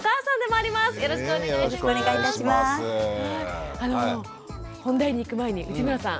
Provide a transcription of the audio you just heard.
あの本題に行く前に内村さん。